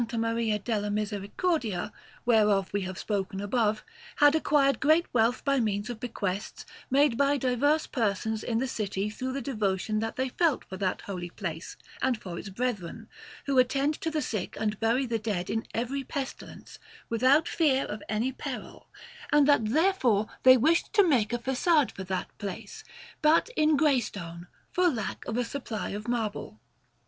Maria della Misericordia, whereof we have spoken above, had acquired great wealth by means of bequests made by diverse persons in the city through the devotion that they felt for that holy place and for its brethren, who attend to the sick and bury the dead in every pestilence, without fear of any peril; and that therefore they wished to make a façade for that place, but in grey stone, for lack of a supply of marble.